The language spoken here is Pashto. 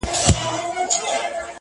کوم چې د هغه د عین مظهر وي